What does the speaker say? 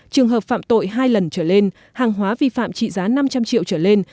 trường hợp phạm tội hai lần trở lên hàng hóa vi phạm trị giá năm trăm linh triệu trở lên